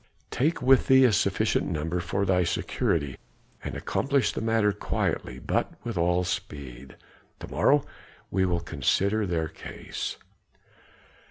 Take with thee a sufficient number for thy security, and accomplish the matter quietly but with all speed. To morrow we will consider their case."